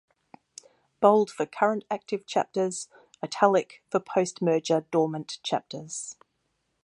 Bold for current active chapters, italic for post-merger dormant chapters.